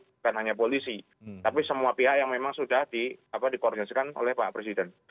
bukan hanya polisi tapi semua pihak yang memang sudah dikoordinasikan oleh pak presiden